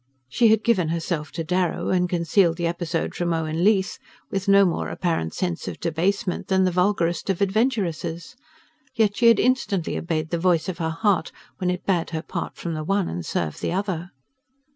She had given herself to Darrow, and concealed the episode from Owen Leath, with no more apparent sense of debasement than the vulgarest of adventuresses; yet she had instantly obeyed the voice of her heart when it bade her part from the one and serve the other.